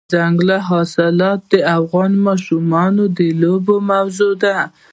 دځنګل حاصلات د افغان ماشومانو د لوبو موضوع ده.